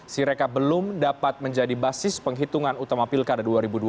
sireka belum dapat menjadi basis penghitungan utama pilkada dua ribu dua puluh